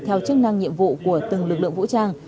theo chức năng nhiệm vụ của từng lực lượng vũ trang